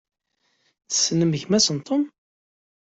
Tessnem gma-s n Tom?